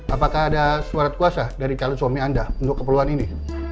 apakah ada suara kuasa dari calon suami anda untuk keperluan ini